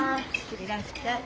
いらっしゃい。